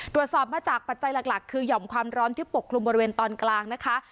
ตรวจสอบมาจากปัจจัยหลักคือหย่อมความร้อนที่ปกคลุมบริเวณตอนกลางนะคะ